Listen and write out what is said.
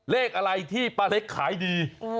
เลขอะไรที่ป้าเล็กขายดี